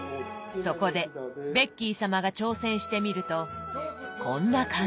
そこでベッキー様が挑戦してみるとこんな感じ。